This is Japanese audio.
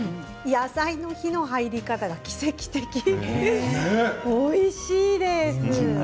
野菜の火の入り方が奇跡的おいしいです。